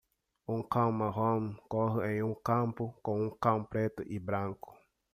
Um cão marrom corre em um campo com um cão preto e branco.